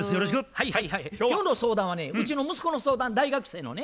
はいはいはい今日の相談はねうちの息子の相談大学生のね。